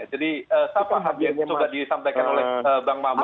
jadi siapa hadir itu gak disampaikan oleh bang mamat